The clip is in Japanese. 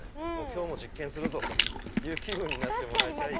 今日も実験するぞ！という気分になってもらいたい。